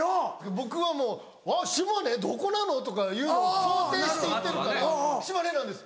僕はもう「わっ島根⁉どこなの？」とかいうのを想定して行ってるから「島根なんです」